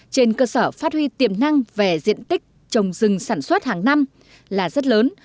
trên cơ sở phát huy tiềm năng về diện tích trồng rừng sản xuất hàng năm là rất lớn